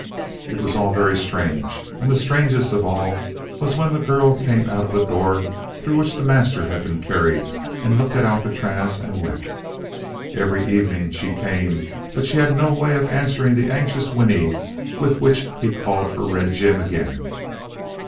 It was all very strange. And strangest of all was when the girl came out of the door through which the master had been carried and looked at Alcatraz, and wept. Every evening she came but she had no way of answering the anxious whinny with which he called for Red Jim again.